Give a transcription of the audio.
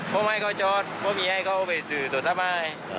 ผมให้เขาจอดผมให้เขาไปสู่โต๊ะสะม่าย